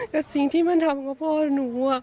กับสิ่งที่มันทำกับพ่อหนูอ่ะ